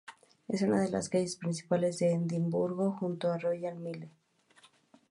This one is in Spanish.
Es una de las calles principales de Edimburgo, junto a Royal Mile.